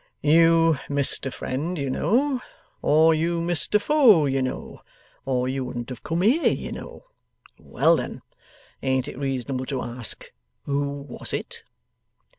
'You missed a friend, you know; or you missed a foe, you know; or you wouldn't have come here, you know. Well, then; ain't it reasonable to ask, who was it?